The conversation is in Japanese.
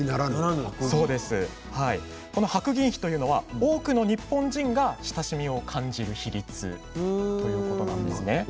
白銀比というのは多くの日本人が親しみを感じる比率なんです。